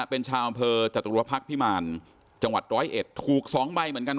เป็นชาวอำเภอจตุรพักษ์พิมารจังหวัดร้อยเอ็ดถูก๒ใบเหมือนกัน